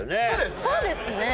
そうですね。